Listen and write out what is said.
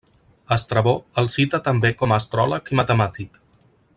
Estrabó el cita també com a astròleg i matemàtic.